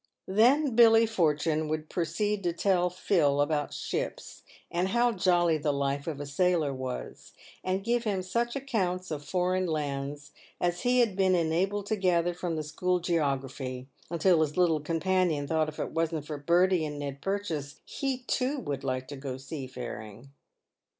Then Billy Fortune would proceed to tell Phil about ships, and how jolly the life of a sailor was, and give him such accounts of foreign lands as he had been enabled to gather from the school geography, until his little companion thought if it wasn't for Bertie and Ned Pur chase, he, too, would like to go seafaring.